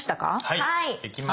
はい。